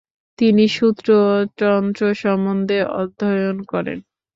তিনি সূত্র ও তন্ত্র সম্বন্ধে অধ্যয়ন করেন।